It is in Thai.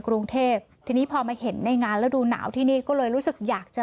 กรุงเทพทีนี้พอมาเห็นในงานฤดูหนาวที่นี่ก็เลยรู้สึกอยากจะ